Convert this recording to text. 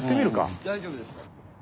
大丈夫ですか？